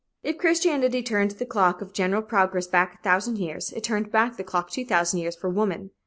If Christianity turned the clock of general progress back a thousand years, it turned back the clock two thousand years for woman.